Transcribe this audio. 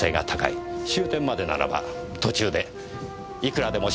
終点までならば途中でいくらでも処分する事が出来ます。